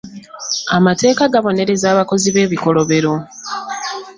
Amateeka gabonereza abakozi b'ebikolobero.